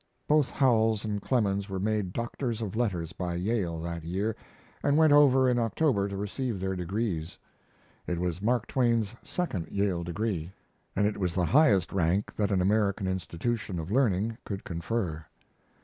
Both Howells and Clemens were made doctors of letters by Yale that year and went over in October to receive their degrees. It was Mark Twain's second Yale degree, and it was the highest rank that an American institution of learning could confer.